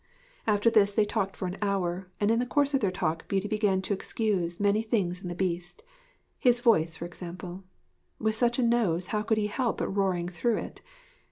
After this they talked for an hour, and in the course of their talk Beauty began to excuse many things in the Beast his voice, for example. With such a nose how could he help roaring through it?